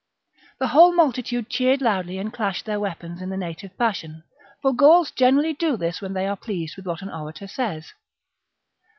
The whole multitude cheered loudly and They receive clashed their weapons in the native fashion ; for acclamation. Gauls generally do this when they are pleased with what an orator says.